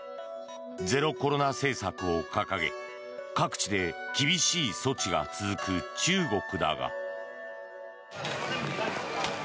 ゼロコロナ政策を掲げ各地で厳しい措置が続く中国だが。